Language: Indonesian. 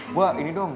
gue ini dong